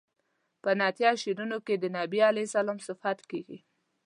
په نعتیه شعرونو کې د بني علیه السلام صفت کیږي.